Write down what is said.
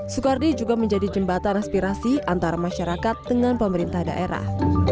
soekardi juga menjadi jembatan aspirasi antara masyarakat dengan pemerintah daerah